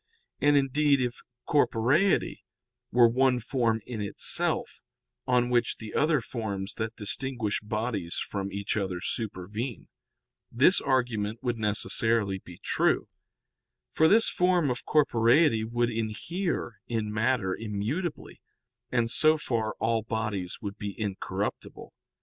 And, indeed, if corporeity were one form in itself, on which the other forms that distinguish bodies from each other supervene, this argument would necessarily be true; for this form of corporeity would inhere in matter immutably and so far all bodies would be incorruptible.